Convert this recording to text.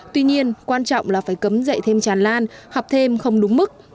tuy nhiên quan trọng là phải cấm dạy thêm tràn lan học thêm không đúng mức